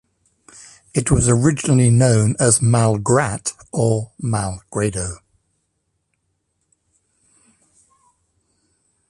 It was originally known as "Malgrat" or "Malgrado".